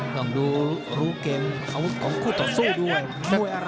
ลองดูรู้เกมของคู่ต่อสู้ด้วย